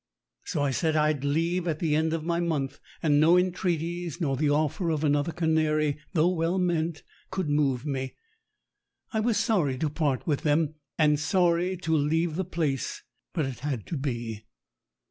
So I said as I'd leave at the end of my month, and no entreaties, nor the offer of another canary, though well meant, could move me. I was sorry to part with them, and sorry to leave the place, but it had to be.